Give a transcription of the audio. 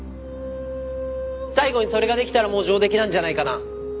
最後にそれができたらもう上出来なんじゃないかな。